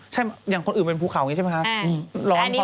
ใช่อย่างคนอื่นเป็นภูเขาอย่างนี้ใช่ไหมคะ